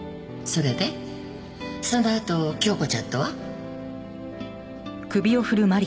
そのあと京子ちゃんとは？